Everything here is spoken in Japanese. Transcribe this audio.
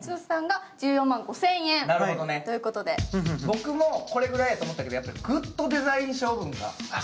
僕もこれぐらいやと思ったけどやっぱりグッドデザイン賞分が。